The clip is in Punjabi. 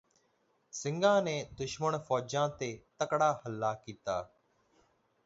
ਸਿੰਘਾਂ ਨੇ ਦੁਸ਼ਮਣ ਫ਼ੌਜਾਂ ਤੇ ਤਕੜਾ ਹੱਲਾ ਕੀਤਾ